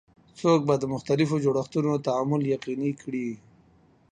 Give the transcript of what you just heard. څوک به د مختلفو جوړښتونو تعامل یقیني کړي؟